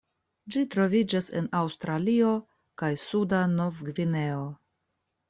Ĝi troviĝas en Aŭstralio kaj suda Novgvineo.